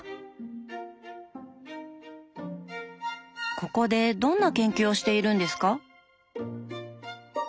ここでどんな研究をしているんですか？